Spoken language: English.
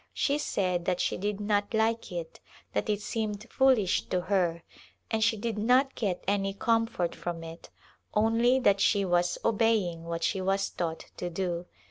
She said that she did not like it, that it seemed foolish to her and she did not get any comfort from it, only that she was obeying what she was taught to do.